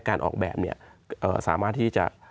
การออกแบบเนี่ยสามารถที่จะ